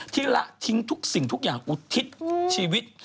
ละทิ้งทุกสิ่งทุกอย่างอุทิศชีวิต